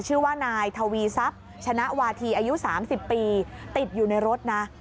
ชื่อว่านายทวีทรัพย์ชนะวาธีอายุ๓๐ปีติดอยู่ในรถนะ